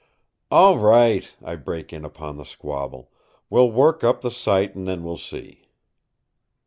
"All right," I break in upon the squabble; "we'll work up the sight and then we'll see."